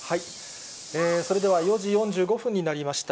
それでは４時４５分になりました。